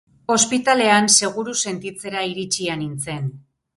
Ospitalean seguru sentitzera iritsia nintzen.